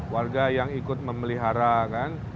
warga yang ikut memelihara kan